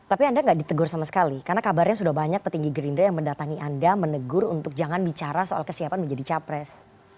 tapi anda nggak ditegur sama sekali karena kabarnya sudah banyak petinggi gerindra yang mendatangi anda menegur untuk jangan bicara soal kesiapan menjadi capres